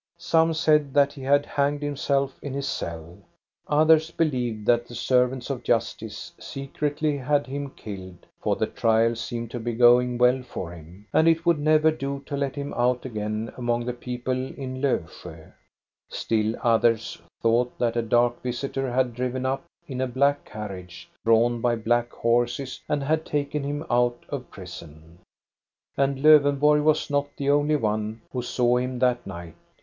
Some said that he had hanged himself in his cell. Others believed that the servants of justice secretly had him killed, for the trial seemed to be going well for him, and it would never do to let him out again among . the people in Lofsjd. Still others thought that a dark visitor had driven up in a black carriage, drawn by black horses, and had taken him out of prison. And Lowenborg was not the only one who saw him that night.